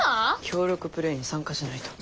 協力プレーに参加しないと。